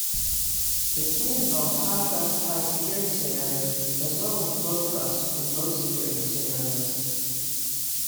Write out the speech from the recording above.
It can involve high-trust, high-security scenarios as well as low-trust, low-security scenarios.